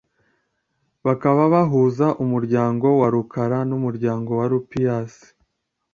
bakaba bahuza umuryango wa Rukara n’umuryango wa Rupias.